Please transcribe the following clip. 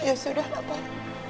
ya sudah lah pak